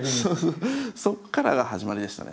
そこからが始まりでしたね。